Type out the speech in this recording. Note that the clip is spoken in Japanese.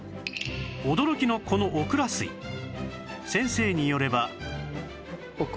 驚きのこのオクラ水先生によれば